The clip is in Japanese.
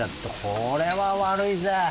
これは悪いぜ！